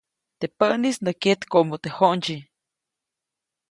Teʼ päʼnis nä kyetkoʼmu teʼ j̃oʼndsyi.